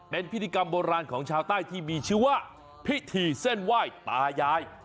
เป็นพิธีกรรมโบราณของชาวใต้ที่มีชื่อว่าพิธีเส้นไหว้ตายาย